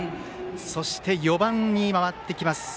そして、４番に回ってきます。